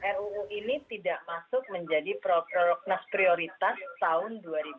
ruu ini tidak masuk menjadi prolegnas prioritas tahun dua ribu dua puluh